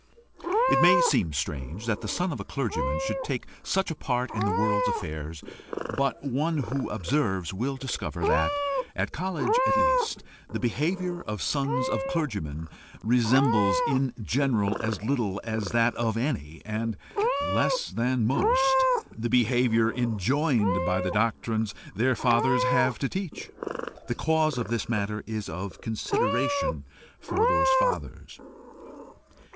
It may seem strange that the son of a clergyman should take such a part in the world's affairs, but one who observes will discover that, at college at least, the behaviour of sons of clergymen resembles in general as little as that of any, and less than that of most, the behaviour enjoined by the doctrines their fathers have to teach. The cause of this is matter of consideration for those fathers.